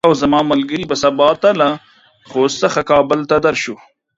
زه او زما ملګري به سبا ته له خوست څخه کابل ته درشو.